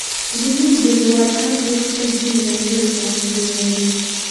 زموږ د هېواد هر ګوټ خپل ځېنې ځانګړي فرهنګونه لري،